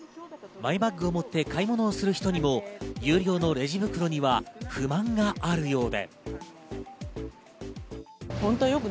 マイバッグを持って買い物をする人にも有料のレジ袋には不満があるようで。